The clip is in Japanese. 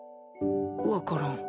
わからん。